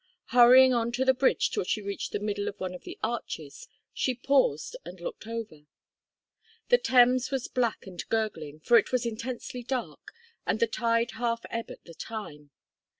Hurrying on to the bridge till she reached the middle of one of the arches, she paused and looked over. The Thames was black and gurgling, for it was intensely dark, and the tide half ebb at the time.